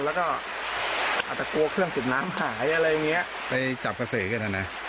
แล้วก็อาจจะกลัวเครื่องเจ็บน้ำหายอะไรอย่างเงี้ย